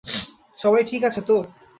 সবাই ঠিক আছে তো?